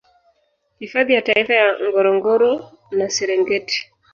Hifadhi ya Taifa ya Ngorongoro na Serengeti